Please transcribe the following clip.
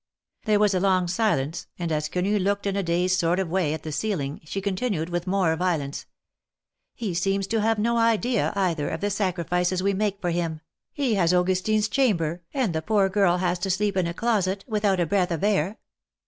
There was a long silence, and as Quenu looked in a dazed sort of a way at the ceiling, she continued, with more violence: " He seems to have no idea either, of the sacrifices we make for him. He has Augustine's chamber, and the poor girl has to sleep in a closet, without a breath of air.